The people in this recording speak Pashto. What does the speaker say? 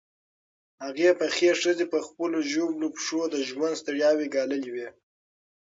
هغې پخې ښځې په خپلو ژوبلو پښو د ژوند ستړیاوې ګاللې وې.